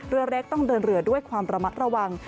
เรือเล็กต้องเดินเรือด้วยความระมัดระวัง